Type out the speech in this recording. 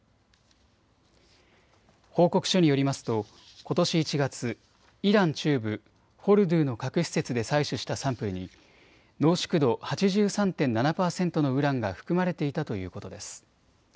報告書によりますとことし１月、イラン中部フォルドゥの核施設で採取したサンプルに濃縮度８３．７％のウランが含まれていたということです。